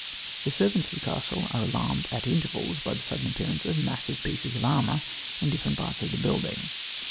The servants of the castle are alarmed at intervals by the sudden appearance of massive pieces of armour in different parts of the building.